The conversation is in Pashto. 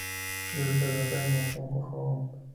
زه د تودوخې موسم خوښوم.